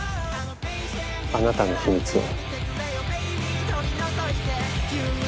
あなたの秘密を。